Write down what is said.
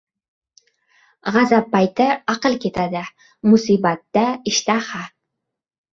• G‘azab payti aql ketadi, musibatda — ishtaha.